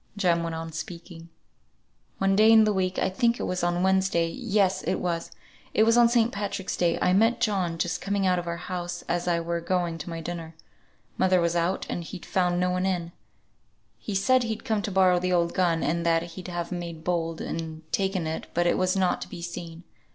Jem went on speaking. "One day in the week I think it was on the Wednesday, yes, it was, it was on St. Patrick's day, I met John just coming out of our house, as I were going to my dinner. Mother was out, and he'd found no one in. He said he'd come to borrow the old gun, and that he'd have made bold, and taken it, but it was not to be seen.